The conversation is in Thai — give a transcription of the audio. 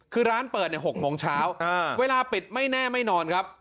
คือร้านเปิด๖โมงเช้าเวลาปิดไม่แน่ไม่นอนครับ